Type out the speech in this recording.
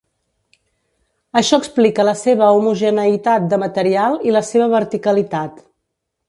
Això explica la seva homogeneïtat de material i la seva verticalitat.